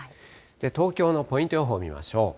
東京のポイント予報見ましょう。